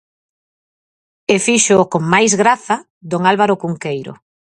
E fíxoo, con máis graza, Don Álvaro Cunqueiro.